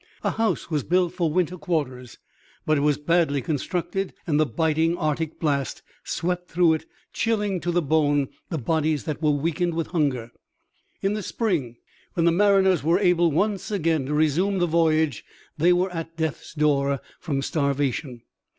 A house was built for winter quarters, but it was badly constructed and the biting Arctic blast swept through it, chilling to the bone the bodies that were weakened with hunger. In the spring, when the mariners were able once again to resume the voyage, they were at death's door from starvation.